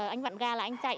anh vặn ga là anh chạy